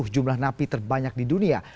jumlah napi terbanyak di dunia